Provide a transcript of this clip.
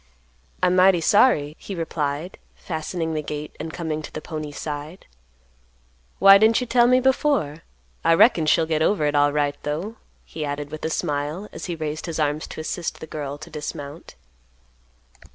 "I'm mighty sorry," he replied, fastening the gate and coming to the pony's side. "Why didn't you tell me before? I reckon she'll get over it alright, though," he added with a smile, as he raised his arms to assist the girl to dismount.